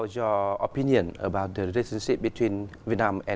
chính phủ việt nam